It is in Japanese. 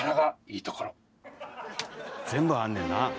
全部あんねんなもう。